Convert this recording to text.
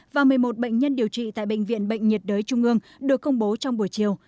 và một mươi một bệnh nhân điều trị tại bệnh viện bệnh nhiệt đới trung ương được công bố trong buổi chiều